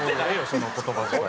その言葉遣い。